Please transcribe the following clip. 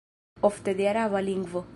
Ofte de Araba lingvo.